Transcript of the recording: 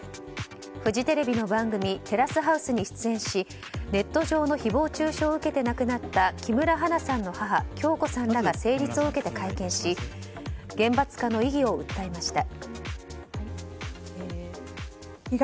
フジテレビの番組「テラスハウス」に出演しネット上の誹謗中傷を受けて亡くなった木村花さんの母・響子さんらが成立を受けて会見し厳罰化の意義を訴えました。